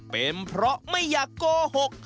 เป็นเพราะไม่อยากโกหก